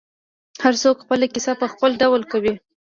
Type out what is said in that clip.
هر څوک خپله کیسه په خپل ډول کوي.